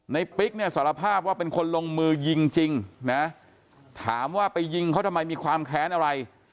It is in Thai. ปิ๊กเนี่ยสารภาพว่าเป็นคนลงมือยิงจริงนะถามว่าไปยิงเขาทำไมมีความแค้นอะไร